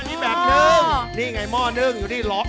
อันนี้แบบนึ่งนี่ไงหม้อนึ่งอยู่นี่ร้อน